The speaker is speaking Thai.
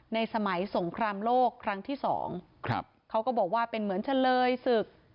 ในสมัยสงครามโลกครั้งที่สองครับเขาก็บอกว่าเป็นเหมือนเฉลยศึก